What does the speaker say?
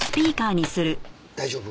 大丈夫？